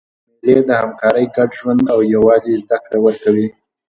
مېلې د همکارۍ، ګډ ژوند او یووالي زدهکړه ورکوي.